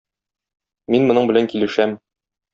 Мин моның белән килешәм.